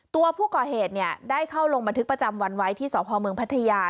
ตัวผู้ก่อเหตุได้เข้าลงบันทึกประจำวันไว้ที่สพเมืองพัทยา